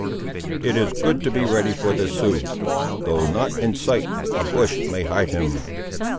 "It is good to be ready for the Sioux. Though not in sight, a bush may hide him."